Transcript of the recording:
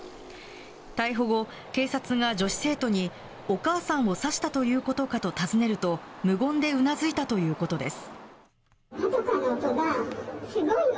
逮捕後、警察が女子生徒にお母さんを刺したということかと尋ねると無言でうなずいたということです。